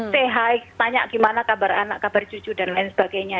say tanya gimana kabar anak kabar cucu dan lain sebagainya